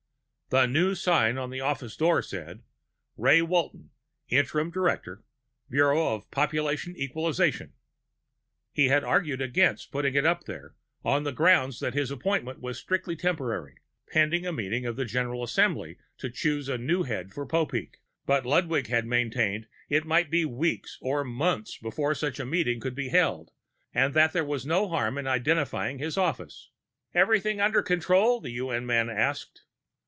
V The new sign on the office door said: ROY WALTON Interim Director Bureau of Population Equalization He had argued against putting it up there, on the grounds that his appointment was strictly temporary, pending a meeting of the General Assembly to choose a new head for Popeek. But Ludwig had maintained it might be weeks or months before such a meeting could be held and that there was no harm in identifying his office. "Everything under control?" the UN man asked.